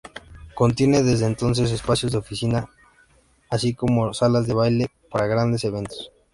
Contiene desde entonces espacios de oficinas, así como salas de baile para grandes eventos.